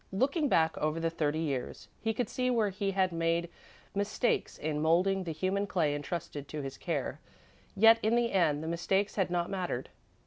Looking back over the thirty years, he could see where he had made mistakes in moulding the human clay entrusted to his care, yet, in the end, the mistakes had not mattered.